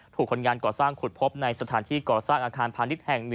คนงานก่อสร้างขุดพบในสถานที่ก่อสร้างอาคารพาณิชย์แห่ง๑